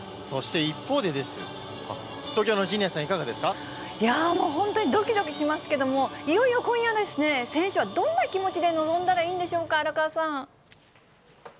そして一方でですが、東京のもう本当にどきどきしますけども、いよいよ今夜ですね、選手はどんな気持ちで臨んだらいいんでしょうか、荒川さん。